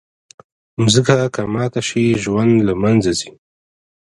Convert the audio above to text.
مځکه که ماته شي، ژوند له منځه ځي.